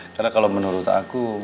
karena kalau menurut aku